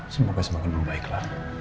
semoga semangat membaiklah